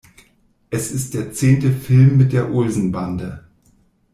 Es ist der zehnte Film mit der Olsenbande.